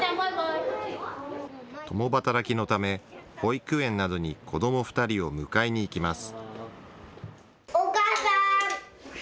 共働きのため、保育園などに子ども２人を迎えに行きます。